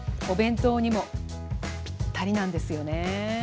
お弁当にもぴったりなんですよね。